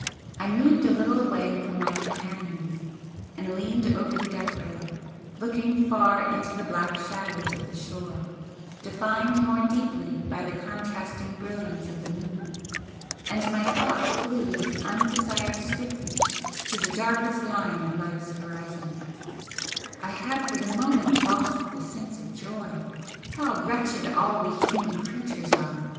I moved a little away from my companions, and leaned over the deck rail, looking far into the black shadows of the shore, defined more deeply by the contrasting brilliance of the moon, and my thoughts flew with undesired swiftness to the darkest line of life's horizon I had for the moment lost the sense of joy. How wretched all we human creatures are!